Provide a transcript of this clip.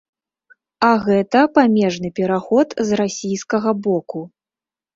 А гэта памежны пераход з расійскага боку.